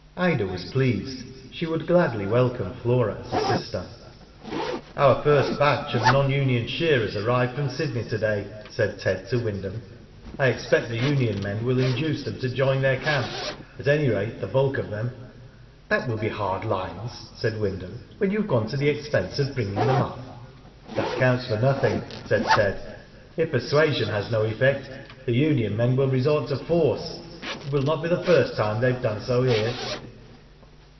Ida was pleased. She would gladly welcome Flora as a sister. " Our first batch of non union shearers arrive from Sydney to day," said Ted to Wyndham. "I expect the union men will induce them to join their camp — at any rate, the bulk of them." Digitized byGoogk TROUBLE BREWING. 113 " That will be hard lines," said Wyndham, when you have gone to the expense of bringing them That counts for nothing," said Ted. If persuasion has no effect, the union men will resort to force. It will not be the first time they have done so here."